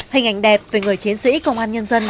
hình ảnh đẹp về người chiến sĩ công an nhân dân